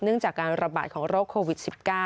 จากการระบาดของโรคโควิด๑๙